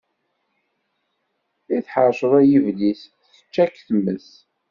I tḥeṛceḍ ay Iblis, tečča-k tmes.